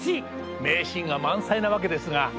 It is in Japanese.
名シーンが満載なわけですが。